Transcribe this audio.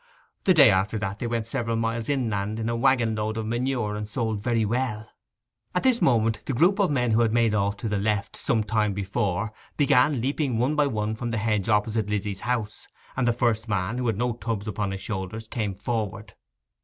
The day after that they went several miles inland in a waggon load of manure, and sold very well.' At this moment the group of men who had made off to the left some time before began leaping one by one from the hedge opposite Lizzy's house, and the first man, who had no tubs upon his shoulders, came forward.